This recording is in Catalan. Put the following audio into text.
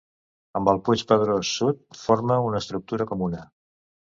Amb el Puig Pedrós Sud forma una estructura comuna.